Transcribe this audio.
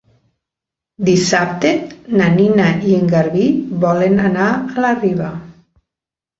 Dissabte na Nina i en Garbí volen anar a la Riba.